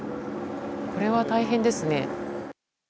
これは大変ですね。